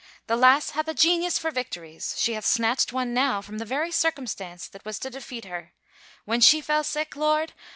" The lass hath a genius for victories — she hath snatched one now from the very circumstance that was to defeat her. ... When she fell sick. Lord!